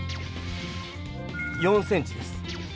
４ｃｍです。